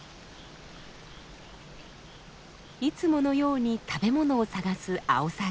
いつものように食べ物を探すアオサギ。